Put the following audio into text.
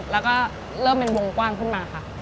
แล้วก็เริ่มเป็นวงกว้างขึ้นมาค่ะ